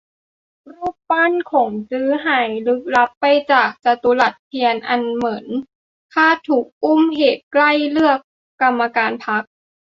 รูปปั้นขงจื้อ หายลึกลับไปจากจตุรัสเทียนอันเหมิน คาดถูก "อุ้ม" เหตุใกล้เลือกกรรมการพรรค